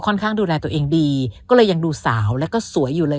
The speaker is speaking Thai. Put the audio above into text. ข้างดูแลตัวเองดีก็เลยยังดูสาวแล้วก็สวยอยู่เลย